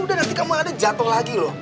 udah nanti kamu ada jatuh lagi loh